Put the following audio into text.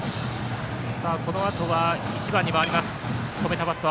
このあとは１番に回ります。